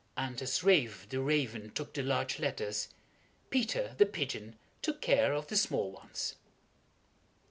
And as Ralph, the raven, took the large letters, Peter, the pigeon, took care of the small ones.